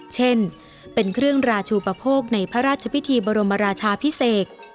เช่นเป็นเครื่องราชูปโภคในพระราชพิธีบรมราชาพิเศษ